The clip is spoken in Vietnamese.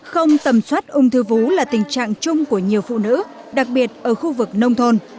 không tầm soát ung thư vú là tình trạng chung của nhiều phụ nữ đặc biệt ở khu vực nông thôn